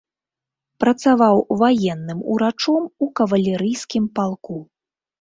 Працаваў ваенным урачом у кавалерыйскім палку.